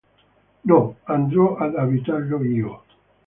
No: andrò ad abitarlo io.